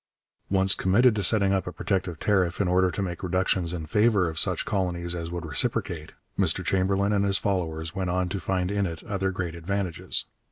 Once committed to setting up a protective tariff in order to make reductions in favour of such colonies as would reciprocate, Mr Chamberlain and his followers went on to find in it other great advantages.